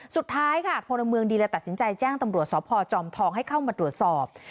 สุดท้ายค่ะพลเมืองดีเลยตัดสินใจแจ้งตำรวจสพจอมทองให้เข้ามาตรวจสอบ